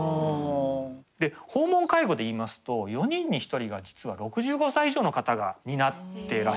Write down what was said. で訪問介護で言いますと４人に１人が実は６５歳以上の方が担ってらっしゃるんですよね。